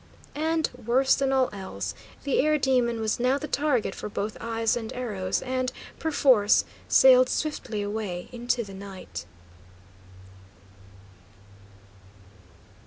And, worse than all else, the air demon was now the target for both eyes and arrows, and, perforce, sailed swiftly away into the night.